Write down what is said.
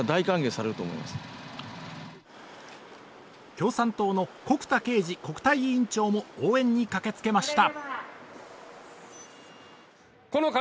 共産党の穀田恵二国対委員長も応援に駆けつけました。